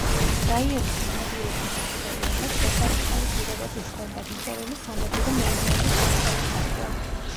რაიონის მონადირეთა საზოგადოებას შესანიშნავი პირობები ჰქონდა მიწერილი სანადირო მეურნეობის განსავითარებლად.